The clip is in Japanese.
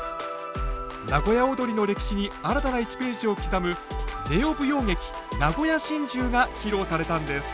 名古屋をどりの歴史に新たな１ページを刻むＮＥＯ舞踊劇「名古屋心中」が披露されたんです。